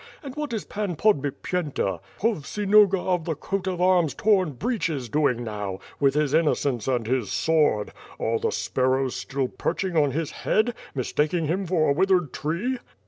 And what is Pan Podbipyenta, Povsinoga of the coat of amis Torn breeches doing now, with his innocence and his sword? Are the sparrows still perching on his head, mistaking him for a withered tree?